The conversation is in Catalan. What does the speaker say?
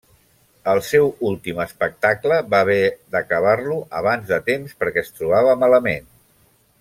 El seu últim espectacle va haver d'acabar-lo abans de temps perquè es trobava malament.